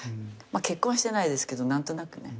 結婚はしてないですけど何となくね。